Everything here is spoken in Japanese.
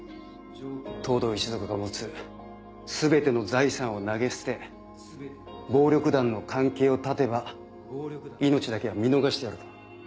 藤堂一族が持つ全ての財産を投げ捨て暴力団の関係を断てば命だけは見逃してやると。